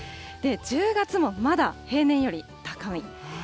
１０月もまだ平年より高い。